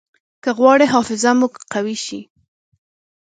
که غواړئ حافظه مو قوي شي.